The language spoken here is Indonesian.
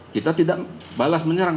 kita tidak balas menyerang